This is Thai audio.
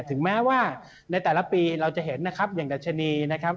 ถึงแม้ว่าในแต่ละปีเราจะเห็นนะครับอย่างดัชนีนะครับ